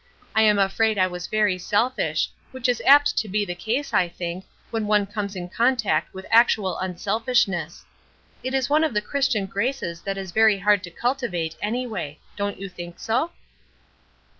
I am afraid I was very selfish; which is apt to be the case, I think, when one comes in contact with actual unselfishness. It is one of the Christian graces that is very hard to cultivate, anyway; don't you think so?"